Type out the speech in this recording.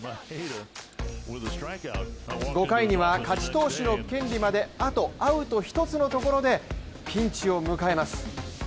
５回には勝ち投手の権利まであとアウト１つのところでピンチを迎えます。